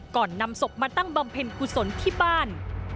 นำศพมาตั้งบำเพ็ญกุศลที่บ้าน